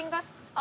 あ